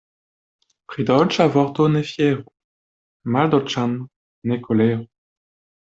Pri dolĉa vorto ne fieru, maldolĉan ne koleru.